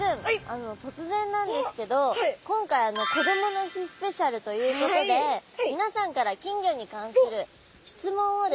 あの突然なんですけど今回こどもの日スペシャルということでみなさんから金魚に関する質問をですね